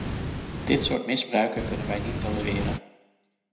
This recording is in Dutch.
Dit soort misbruiken kunnen wij niet tolereren.